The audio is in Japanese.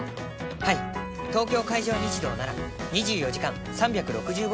はい東京海上日動なら２４時間３６５日の事故受付。